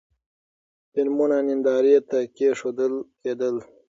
فلمونه نندارې ته کېښودل کېدل.